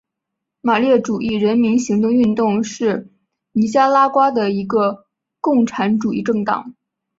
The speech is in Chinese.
马列主义人民行动运动是尼加拉瓜的一个共产主义政党。